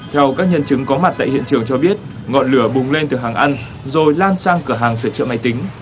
theo các nhân chứng có mặt tại hiện trường cho biết ngọn lửa bùng lên từ hàng ăn rồi lan sang cửa hàng sửa chữa máy tính